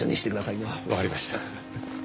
わかりました。